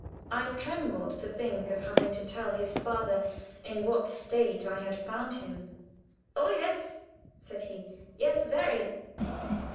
I trembled to think of having to tell his father in what state I had found him. "Oh, yes!" said he. "Yes, very."